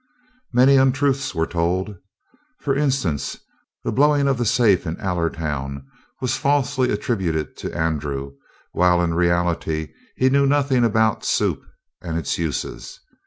Many untruths were told. For instance, the blowing of the safe in Allertown was falsely attributed to Andrew, while in reality he knew nothing about "soup" and its uses.